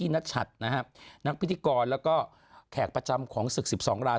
ณชัตนะฮะนักพิธิกรแล้วก็แขกประจำของศึกสิบสองรา